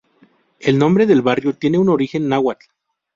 El nombre del barrio tiene un origen náhuatl.